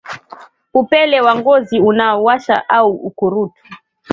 Upele wa Ngozi Unaowasha au Ukurutu